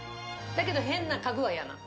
だけど変な家具は嫌なの。